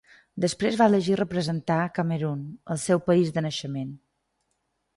Després va elegir representar Camerun, el seu país de naixement.